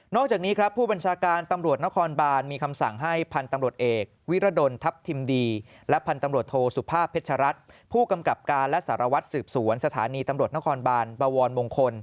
นอกจากนี้ครับผู้บัญชาการตำรวจนครบานมีคำสั่งให้พันธุ์ตำรวจเอก